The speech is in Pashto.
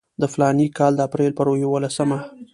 د فلاني کال د اپریل پر یوولسمه.